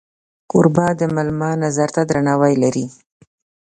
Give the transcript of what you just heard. کوربه د میلمه نظر ته درناوی لري.